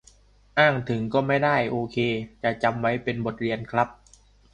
อ้างถึงก็ไม่ได้ โอเค จะจำไว้เป็นบทเรียนครับ